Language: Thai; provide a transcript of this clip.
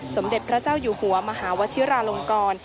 สมเด็จพระเจ้าอยู่หัวมหาวชิราลงกร